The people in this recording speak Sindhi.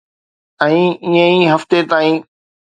۽ ائين ئي هفتن تائين